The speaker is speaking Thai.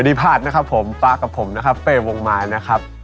บริภาษนะครับป๊ากับผมปเปบวงไมรค์นะครับ